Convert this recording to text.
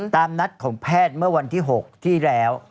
ตามนัดของแพทย์เมื่อวันที่๖ที่แล้ว